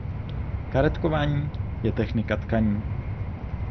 Karetkování je technika tkaní.